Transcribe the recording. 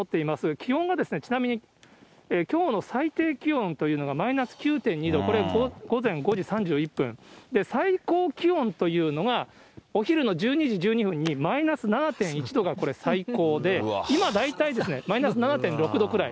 気温がちなみにきょうの最低気温というのが、マイナス９．２度、これ、午前５時３１分、最高気温というのが、お昼の１２時１２分に、マイナス７．１度がこれ、最高で、今、大体マイナス７．６度ぐらい。